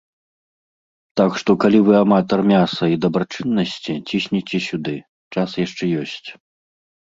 Так што, калі вы аматар мяса і дабрачыннасці, цісніце сюды, час яшчэ ёсць.